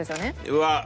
うわっ！